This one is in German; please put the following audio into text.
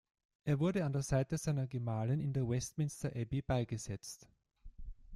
Er wurde an der Seite seiner Gemahlin in der Westminster Abbey beigesetzt.